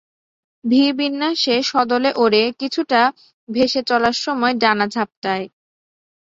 V বিন্যাসে সদলে ওড়ে, কিছুটা ভেসে চলার সময় ডানা ঝাপটায়।